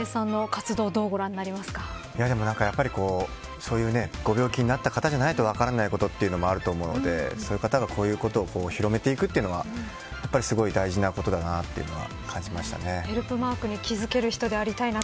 竜星さんは、麻莉絵さんの活動ご病気になった方じゃないと分からないこともあると思うのでそういう方がこういうことを広めていくというのはすごい大事なことだなと感じましたね。